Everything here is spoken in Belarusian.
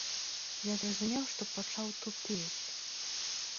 Я зразумеў, што пачаў тупець.